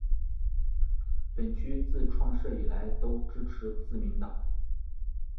本区自创设以来都支持自民党。